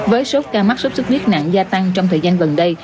với số ca mắc số xuất khuyết nặng gia tăng trong thời gian gần đây